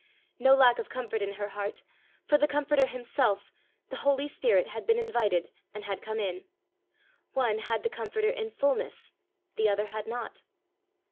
No lack of comfort in her heart, for the Comforter Himself, the Holy Spirit, had been invited and had come in. One had the Comforter in fullness, the other had not.